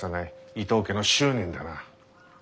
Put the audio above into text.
伊藤家の執念だな。